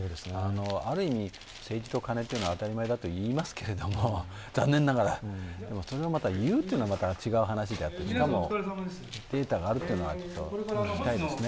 ある意味、政治とカネというのは当たり前だと言いますけれども、残念ながら、でもそれを言うというのはまた別の話でしかもデータがあるというのは、聞きたいですね。